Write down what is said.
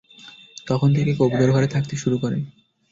তখন থেকেই কবুতর ঘরে থাকতে শুরু করে।